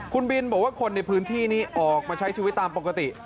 คุณบินบอกว่าคนในพื้นที่นี้ออกมาใช้ชีวิตตามปกติ